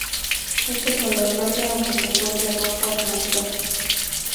Es de color verde aunque se vuelve rojo al madurar.